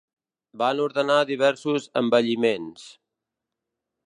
Van ordenar diversos embelliments.